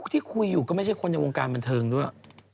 ที่คุยอยู่ก็ไม่ใช่คนในวงการบันเทิงด้วย